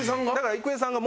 郁恵さんが？